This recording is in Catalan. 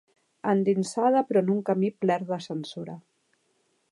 Endinsada però en un camí pler de censura.